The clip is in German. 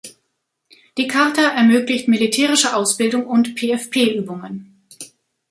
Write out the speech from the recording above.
Die Charta ermöglicht militärische Ausbildung und PfP-Übungen.